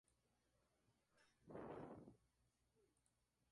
El manuscrito fue escrito por Paulo, un escriba.